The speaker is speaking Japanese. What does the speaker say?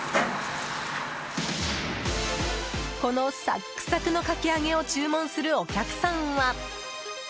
このサックサクのかき揚げを注文するお客さんは。